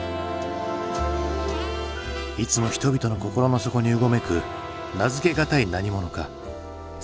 いつも人々の心の底にうごめく名付け難い何者かサブカルチャー。